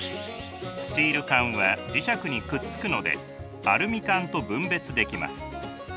スチール缶は磁石にくっつくのでアルミ缶と分別できます。